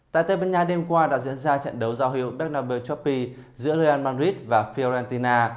tại tây bình nha đêm qua đã diễn ra trận đấu giao hiệu bernabeu choppy giữa real madrid và fiorentina